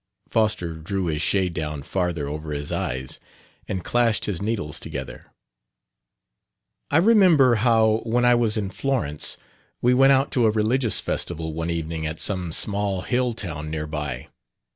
Foster drew his shade down farther over his eyes and clashed his needles together. "I remember how, when I was in Florence, we went out to a religious festival one evening at some small hill town near by.